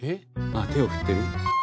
手を振ってる？